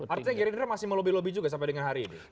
artinya gerindra masih mau lebih lebih juga sampai hari ini